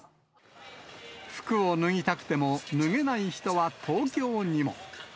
服を脱ぎたくても脱げない人は東京にも。